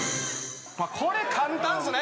これ簡単すね。